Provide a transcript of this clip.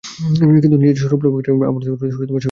কিন্তু নিজের স্বরূপলাভে আব্রহ্মস্তম্ব পর্যন্ত সকলেই গতিশীল।